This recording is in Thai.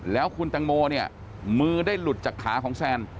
แล้วคุณตังโมเนี่ยมือได้หลุดจากขาของแซน